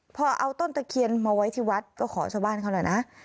พอเอาต้นตะเคียนมาไว้ที่วัดก็ขอชาวบ้านเขาหน่อยนะ